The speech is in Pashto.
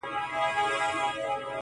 پښتې ستري تر سترو استثناء د يوې گوتي